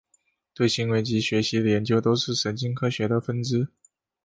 对行为及学习的研究都是神经科学的分支。